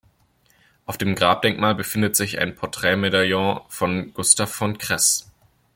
Auf dem Grabdenkmal befindet sich ein Porträtmedaillon von Gustav von Kress.